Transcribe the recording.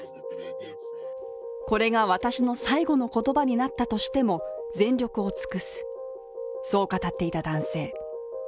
これが私の最後の言葉になったとしても全力を尽くす、そう語っていた男性。